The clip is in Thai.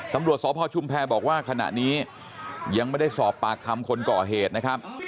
ตำรวจสพชุมแพรบอกว่าขณะนี้ยังไม่ได้สอบปากคำคนก่อเหตุนะครับ